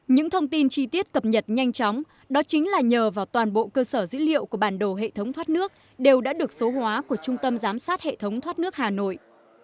những thông tin chi tiết cập nhật nhanh chóng đó chính là nhờ vào toàn bộ cơ sở dữ liệu của bản đồ hệ thống thoát nước đều đã được số hóa của trung tâm giám sát hệ thống thoát nước hà nội